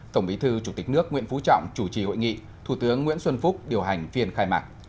tổng bí thư chủ tịch nước nguyễn phú trọng chủ trì hội nghị thủ tướng nguyễn xuân phúc điều hành phiên khai mạc